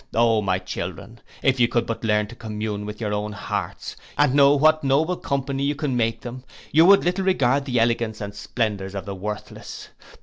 O, my children, if you could but learn to commune with your own hearts, and know what noble company you can make them, you would little regard the elegance and splendours of the worthless.